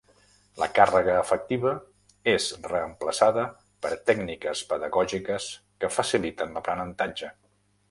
La càrrega afectiva és reemplaçada per tècniques pedagògiques que faciliten l'aprenentatge.